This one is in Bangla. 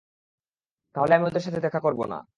তাহলে আমি ওদের সাথে দেখা করবো না।